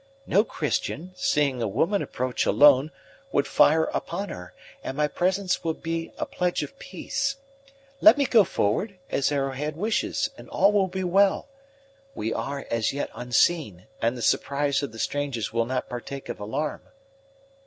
No Christian, seeing a woman approach alone, would fire upon her; and my presence will be a pledge of peace. Let me go forward, as Arrowhead wishes, and all will be well. We are, as yet, unseen, and the surprise of the strangers will not partake of alarm."